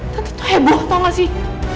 tante tuh heboh tau gak sih